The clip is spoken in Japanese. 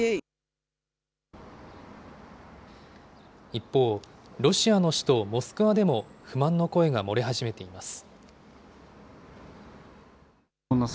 一方、ロシアの首都モスクワでも、不満の声が漏れ始めています。